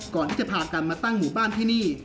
ก่อนที่จะพากันมาตั้งหมู่บ้านที่นี่